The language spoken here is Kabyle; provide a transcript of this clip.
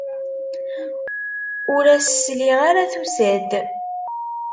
Ur as-sliɣ ara tusa-d.